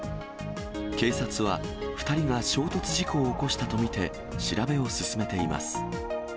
警察は２人が衝突事故を起こしたと見て、調べを進めています。